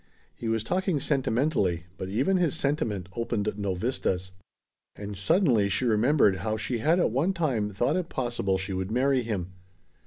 He was talking sentimentally, but even his sentiment opened no vistas. And suddenly she remembered how she had at one time thought it possible she would marry him.